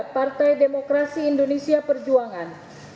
partai demokrasi indonesia perjuangan